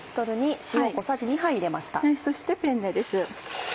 そしてペンネです。